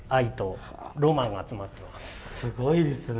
すごいですね。